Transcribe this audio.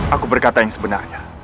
aku berkata yang sebenarnya